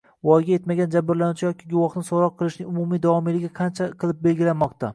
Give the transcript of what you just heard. Voyaga yetmagan jabrlanuvchi yoki guvohni so‘roq qilishning umumiy davomiyligi qancha qilib belgilanmoqda?ng